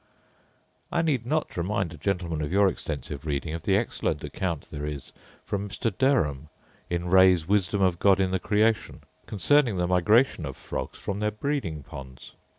I need not remind a gentleman of your extensive reading of the excellent account there is from Mr. Derham, in Ray's Wisdom of God in the Creation (p. 365), concerning the migration of frogs from their breeding ponds.